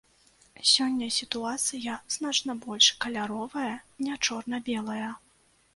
Сёння сітуацыя значна больш каляровая, не чорна-белая.